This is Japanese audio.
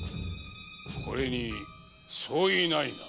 これに相違ないな？